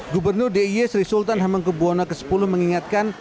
gubernur d i sri sultan hamengkubwono x mengingatkan